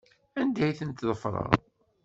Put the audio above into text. Anda ay ten-teffreḍ?